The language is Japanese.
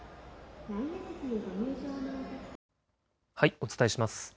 お伝えします。